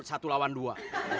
satu lawan dua